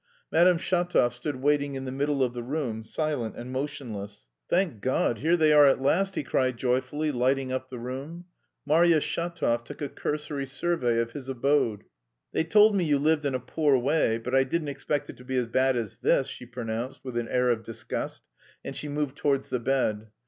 Madame Shatov stood waiting in the middle of the room, silent and motionless. "Thank God, here they are at last!" he cried joyfully, lighting up the room. Marya Shatov took a cursory survey of his abode. "They told me you lived in a poor way, but I didn't expect it to be as bad as this," she pronounced with an air of disgust, and she moved towards the bed.